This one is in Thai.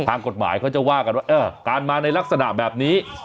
ทางกฎหมายเขาจะว่ากันว่าการมาในลักษณะแบบนี้